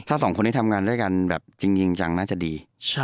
ถ้าสองคนนี้ทำงานด้วยกันแบบจริงจังน่าจะดี